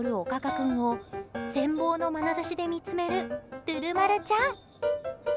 君を羨望のまなざしで見つめるるる丸ちゃん。